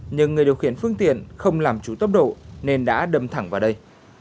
nhưng người điều khiển phương tiện không làm chủ tốc độ nên đã đâm thẳng vào đây